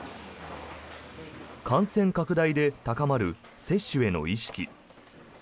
感染拡大で高まる接種への意識。